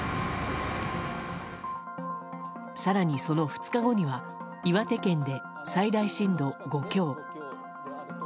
更に、その２日後には岩手県で最大震度５強。